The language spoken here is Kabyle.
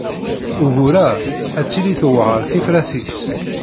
Ugur-a ad tili tewɛeṛ tifrat-is.